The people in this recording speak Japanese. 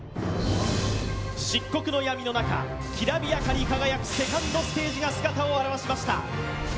漆黒の闇の中、きらびやかに輝くセカンドステージが姿を現しました。